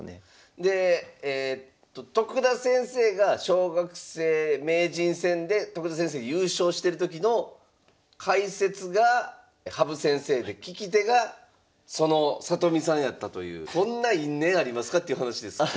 でえと徳田先生が小学生名人戦で徳田先生が優勝してる時の解説が羽生先生で聞き手がその里見さんやったというこんな因縁ありますかっていう話ですよね。